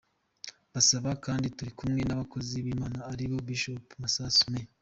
Bazaba kandi turikumwe n’abakozi b’Imana aribo; Bishop Masasu M.